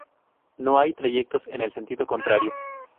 No hay trayectos en el sentido contrario.